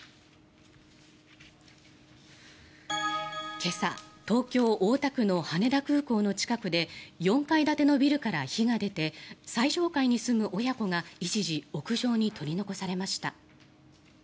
今朝、東京・大田区の羽田空港の近くで４階建てのビルから火が出て最上階に住む親子が一時、屋上に取り残されました。